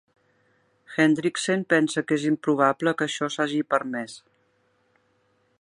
Hendriksen pensa que és improbable que això s'hagi permès.